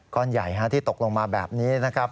ก้อนใหญ่ที่ตกลงมาแบบนี้นะครับ